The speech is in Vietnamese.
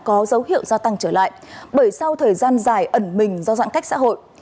có dấu hiệu gia tăng trở lại bởi sau thời gian dài ẩn mình do giãn cách xã hội